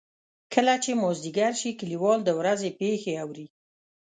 کله چې مازدیګر شي کلیوال د ورځې پېښې اوري.